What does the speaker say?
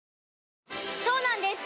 そうなんです